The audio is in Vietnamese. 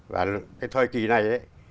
và cái thời kỳ này